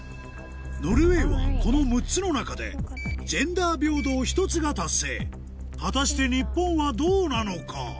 ノルウェーはこの６つの中で「ジェンダー平等」１つが達成果たして日本はどうなのか？